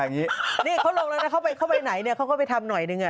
นี่เขาลงแล้วนะเข้าไปไหนเขาก็ไปทำหน่อยหนึ่ง